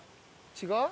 違う？